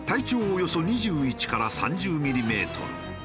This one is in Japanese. およそ２１から３０ミリメートル。